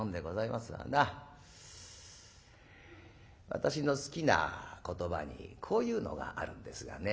私の好きな言葉にこういうのがあるんですがね